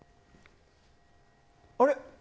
あれ？